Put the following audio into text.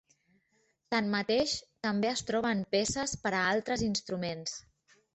Tanmateix, també es troba en peces per a altres instruments.